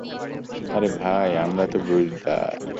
আরে ভাই আমরা তো বুঝদার।